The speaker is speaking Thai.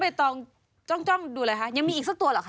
แล้วน้องเบยตองจ้องดูเลยค่ะ